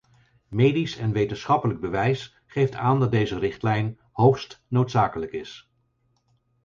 Medisch en wetenschappelijk bewijs geeft aan dat deze richtlijn hoogst noodzakelijk is.